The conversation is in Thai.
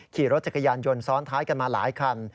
ขี่รถจักรยานยนต์ซ้อนท้ายกันมาหลายคัน